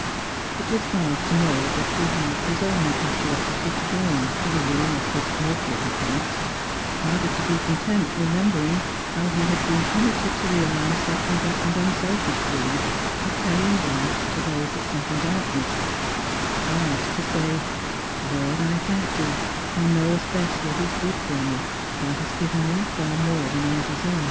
It was hard to know that he had his own imiietuosity to blame for the ruin of his earthly happiness ; harder to be content re membering how he had been permitted to realise that other and unselfish dream of carrying light to those that sat in dark ness ; hard to say, " Lord, I thank Thee ; Thou knowest best what is good for me; Thou hast given me far more than I deserye."